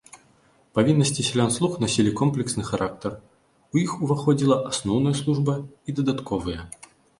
Павіннасці сялян-слуг насілі комплексны характар, у іх уваходзіла асноўная служба і дадатковыя.